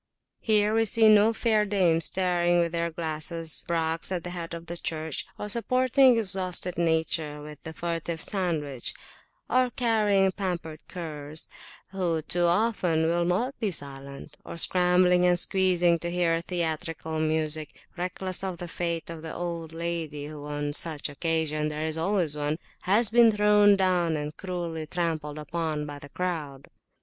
Here we see no fair dames staring with their glasses, braques at the Head of the Church; or supporting exhausted nature with the furtive sandwich; or carrying pampered curs who, too often, will not be silent; or scrambling and squeezing to hear theatrical music, reckless of the fate of the old lady whoon such occasions there is always onehas been thrown down and cruelly trampled upon by the crowd.